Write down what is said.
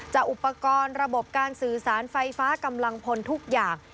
อุปกรณ์ระบบการสื่อสารไฟฟ้ากำลังพลทุกอย่าง